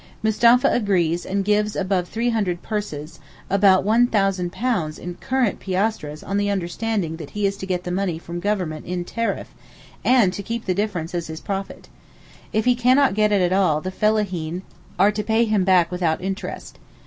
Mustapha agrees and gives above 300 purses—about £1,000 in current piastres on the understanding that he is to get the money from Government in tariff—and to keep the difference as his profit. If he cannot get it at all the fellaheen are to pay him back without interest.